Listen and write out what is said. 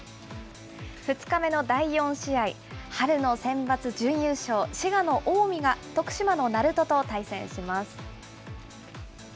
２日目の第４試合、春のセンバツ準優勝、滋賀の近江が徳島の鳴門と対戦します。